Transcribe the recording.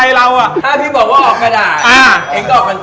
ยังยิงยาวปะกะเป่ายิงช็อป